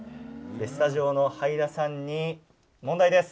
スタジオのはいださんに問題です。